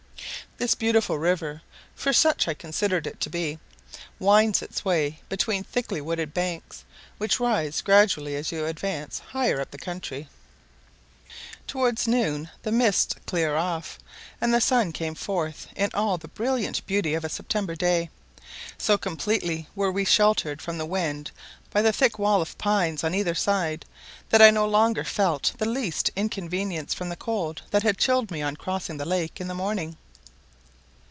This beautiful river (for such I consider it to be) winds its way between thickly wooded banks, which rise gradually as you advance higher up the country. Towards noon the mists cleared off, and the sun came forth in all the brilliant beauty of a September day. So completely were we sheltered from the wind by the thick wall of pines on either side, that I no longer felt the least inconvenience from the cold that had chilled me on crossing the lake in the morning.